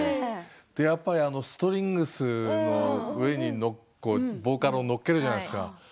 やっぱりストリングスの上にボーカルを乗っけるじゃないですか。